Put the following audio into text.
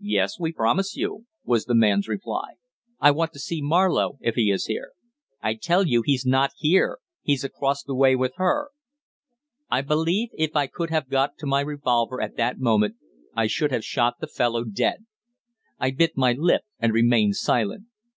"Yes, we promise you," was the man's reply. "I want to see Marlowe, if he is here." "I tell you he's not here. He's across the way with her." I believe, if I could have got to my revolver at that moment, I should have shot the fellow dead. I bit my lip, and remained silent.